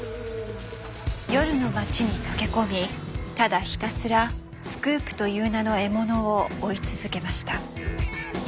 夜の街に溶け込みただひたすらスクープという名の獲物を追い続けました。